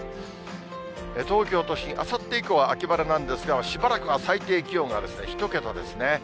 東京都心、あさって以降は秋晴れなんですが、しばらくは最低気温が１桁ですね。